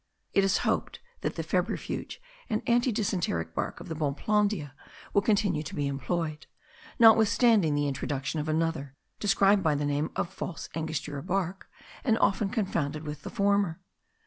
It is to be hoped that the febrifuge and anti dysenteric bark of the bonplandia will continue to be employed, notwithstanding the introduction of another, described by the name of False Angostura bark, and often confounded with the former.